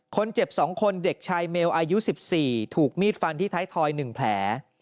คนเจ็บ๒คนเด็กชายเมลอายุ๑๔ถูกมีดฟันที่ท้ายทอย๑แผล